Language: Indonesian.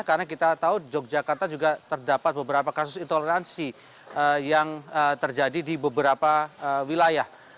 karena kita tahu yogyakarta juga terdapat beberapa kasus intoleransi yang terjadi di beberapa wilayah